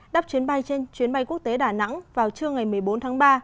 đắp chuyến bay trên chuyến bay quốc tế đà nẵng vào trưa ngày một mươi bốn tháng ba